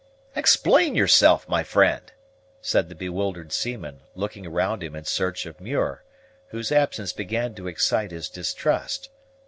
"Explain yourself, my friend," said the bewildered seaman, looking around him in search of Muir, whose absence began to excite his distrust.